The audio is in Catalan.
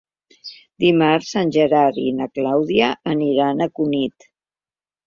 Dimarts en Gerard i na Clàudia aniran a Cunit.